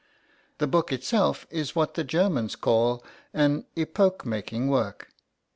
The book itself is what the Germans call an "epoch making work."